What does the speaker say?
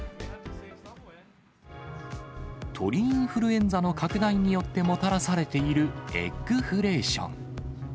鳥インフルエンザの拡大によってもたらされているエッグフレーション。